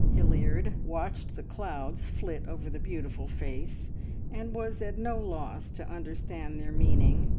Hilliard watched the clouds flit over the beautiful face, and was at no loss to understand their meaning.